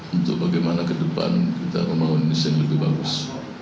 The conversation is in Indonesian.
untuk bagaimana kedepan kita membangun indonesia yang lebih bagus